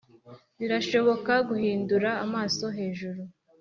birashoboka guhindura amaso, hejuru